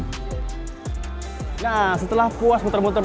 nah setelah puas muter muter